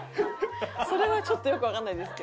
それはちょっとよくわかんないですけど。